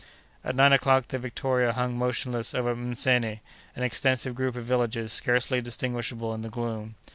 At nine o'clock the Victoria hung motionless over Msene, an extensive group of villages scarcely distinguishable in the gloom.